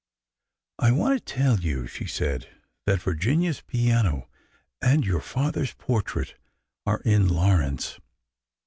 '' I want to tell you," she said, that Virginia's piano and your father's portrait are in Lawrence.